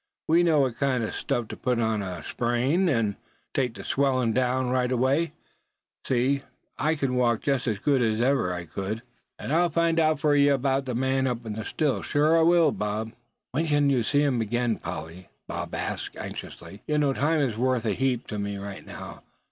We knows what kin' o' stuff to put on a sprain, as'll take ther swellin' down right smart. See, I kin walk jest as good as I ever cud. An' I'll find out fur ye 'bout thet man up to the Still, sure I will, Bob." "When can I see you again, Polly?" Bob asked, anxiously. "You know time is worth a heap to me right now.